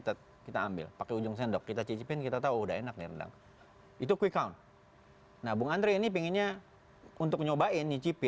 terima kasih pak bung kondi